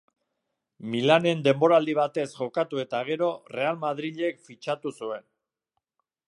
Milanen denboraldi batez jokatu eta gero, Real Madrilek fitxatu zuen.